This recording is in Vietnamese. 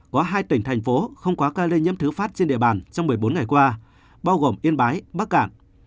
có hai tỉnh thành phố không có ca lây nhiễm thứ phát trên địa bàn trong một mươi bốn ngày qua bao gồm yên bái bắc cạn